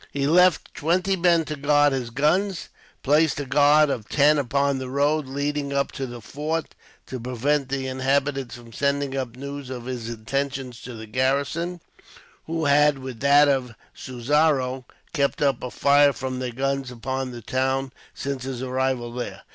He left twenty men to guard his guns, placed a guard of ten upon the road leading up to the fort, to prevent the inhabitants from sending up news of his intentions to the garrison, who had, with that of Suzarow, kept up a fire from their guns upon the town, since his arrival there.